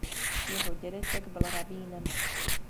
Jeho dědeček byl rabínem.